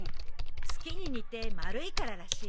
月に似て丸いかららしいよ。